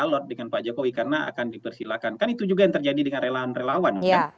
jadi saya tidak alur dengan pak jokowi karena akan dipersilahkan kan itu juga yang terjadi dengan relawan relawan